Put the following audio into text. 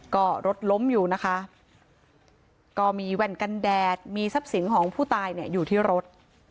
ก็รถล้มอยู่นะคะก็มีแว่นกันแดดมีทรัพย์สินของผู้ตายเนี่ยอยู่ที่รถ